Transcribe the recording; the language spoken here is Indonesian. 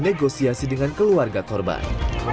negosiasi dengan keluarga korban